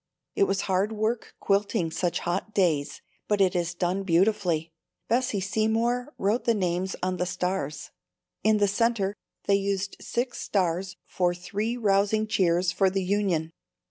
It was hard work quilting such hot days but it is done beautifully. Bessie Seymour wrote the names on the stars. In the center they used six stars for "Three rousing cheers for the Union."